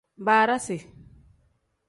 Barasi.